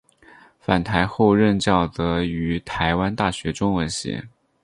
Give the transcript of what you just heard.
返台后任教则于台湾大学中文系。